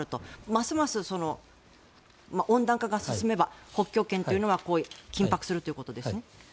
ますます温暖化が進めば北極圏というのは緊迫するということですね？